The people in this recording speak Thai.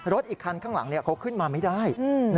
อีกคันข้างหลังเขาขึ้นมาไม่ได้